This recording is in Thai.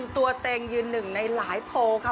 ตัวเองยืนหนึ่งในหลายโพลค่ะ